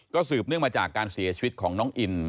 สืบเนื่องมาจากการเสียชีวิตของน้องอิน